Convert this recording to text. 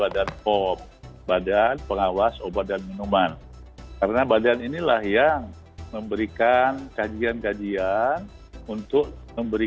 yang mengandung satu zat yang dapat dilindungi